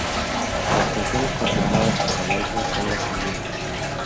Las canciones confirmadas para el álbum son las siguientes.